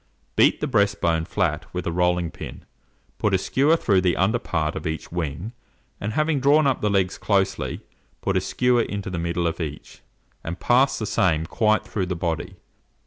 Beat the breast bone flat with a rolling pin, put a skewer through the under part of each wing, and having drawn up the legs closely, put a skewer into the middle of each, and pass the same quite through the body.